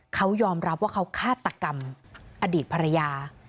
เขายอมรับว่าเขาฆาตกรรมอดีตภรรยา